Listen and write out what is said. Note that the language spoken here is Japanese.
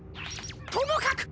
ともかく！